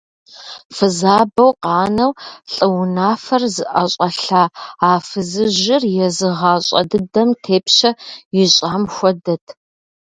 Фызабэу къанэу лӏы унафэр зыӏэщӏэлъа а фызыжьыр езы гъащӏэ дыдэм тепщэ ищӏам хуэдэт.